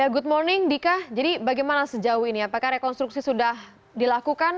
good morning dika jadi bagaimana sejauh ini apakah rekonstruksi sudah dilakukan